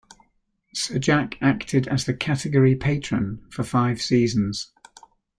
Sir Jack acted as the category patron for five seasons.